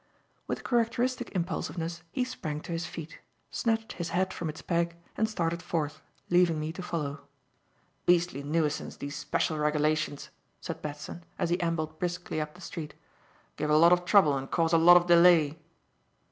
With characteristic impulsiveness he sprang to his feet, snatched his hat from its peg, and started forth, leaving me to follow. "Beastly nuisance, these special regulations," said Batson, as he ambled briskly up the street. "Give a lot of trouble and cause a lot of delay."